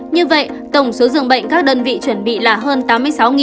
như vậy tổng số dường bệnh các đơn vị chuẩn bị là hơn tám mươi sáu dường bệnh